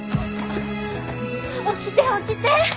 起きて起きて！